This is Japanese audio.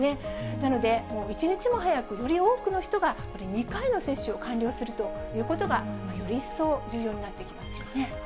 なので、一日も早くより多くの人が、２回の接種を完了するということが、より一層重要になってきますよね。